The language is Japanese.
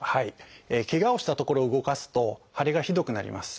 ケガをした所を動かすと腫れがひどくなります。